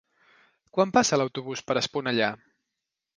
Quan passa l'autobús per Esponellà?